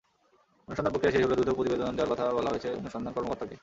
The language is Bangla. অনুসন্ধান-প্রক্রিয়া শেষ করে দ্রুত প্রতিবেদন দেওয়ার কথা বলা হয়েছে অনুসন্ধান কর্মকর্তাকে।